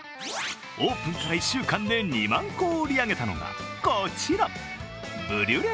オープンから１週間で２万個を売り上げたのがこちら、ブリュレ